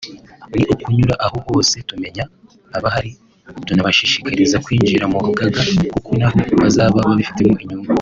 ni ukunyura aho hose tumenya abahari tunabashishikariza kwinjira mu rugaga kuko nabo bazaba babifitemo inyungu